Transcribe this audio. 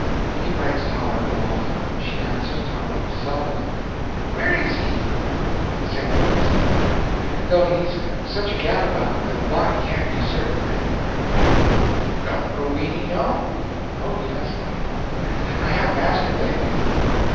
He writes tolerable often, and she answers tolerable seldom." "Where is he?" "In St. Louis, I believe, though he's such a gadabout that a body can't be very certain of him, I reckon." "Don't Roweny know?" "Oh, yes, like enough. I haven't asked her lately."